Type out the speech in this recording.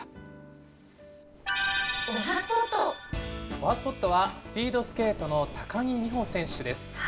おはＳＰＯＴはスピードスケートの高木美帆選手です。